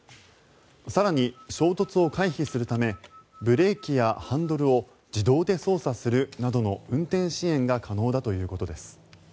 更に、衝突を回避するためブレーキやハンドルを自動で操作するなどの運転支援が可能だということです。